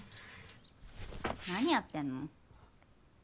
何やってんの？